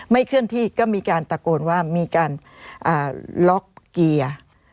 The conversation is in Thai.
เคลื่อนที่ก็มีการตะโกนว่ามีการล็อกเกียร์